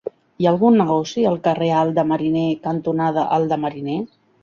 Hi ha algun negoci al carrer Alt de Mariner cantonada Alt de Mariner?